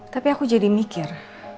tapi aku jadi mikir